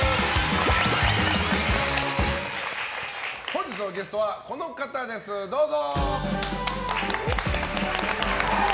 本日のゲストはこの方ですどうぞ！